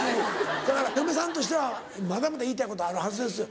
だから嫁さんとしてはまだまだ言いたいことあるはずですよ。